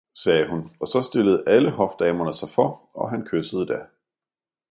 sagde hun, og saa stillede alle Hofdamerne sig for og han kyssede da.